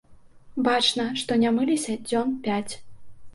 Бачна, што не мыліся дзён пяць.